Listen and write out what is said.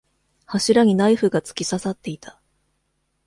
柱にナイフが突き刺さっていた。